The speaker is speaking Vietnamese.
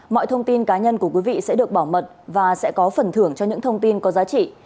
mọi thông tin cá nhân của quý vị sẽ được bảo mật và sẽ có phần thưởng cho những thông tin có giá trị